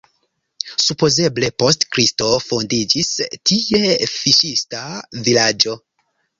Supozeble post Kristo fondiĝis tie fiŝista vilaĝo.